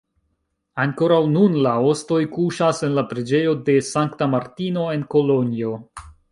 Ankoraŭ nun la ostoj kuŝas en la preĝejo de Sankta Martino en Kolonjo.